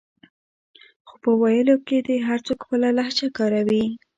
خو په ویلو کې دې هر څوک خپله لهجه کاروي